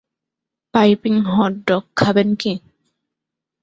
Piping hot dog খাবেন কি?